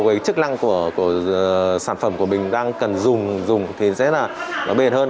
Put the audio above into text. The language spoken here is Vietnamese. cái chức năng của sản phẩm của mình đang cần dùng thì sẽ là nó bền hơn